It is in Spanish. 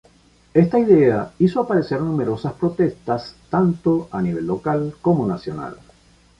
Esta idea hizo aparecer numerosas protestas tanto a nivel local como nacional.